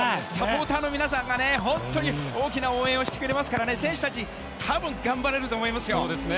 サポーターの皆さんが本当に大きな応援をしてくれますから選手たち頑張れると思いますよ！